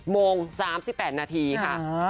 โมง๓๘นาทีค่ะ